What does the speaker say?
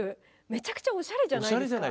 めちゃくちゃおしゃれじゃないですか。